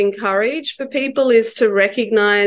untuk orang orang adalah mengenalpukannya